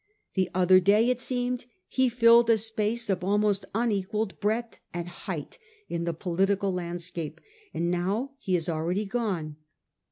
The other day, it seemed, he filled a space of almost unequalled breadth and height in the political landscape; and now he is already gone.